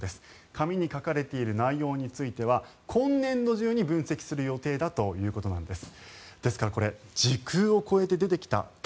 紙に書かれている内容については今年度中に分析する予定だということです。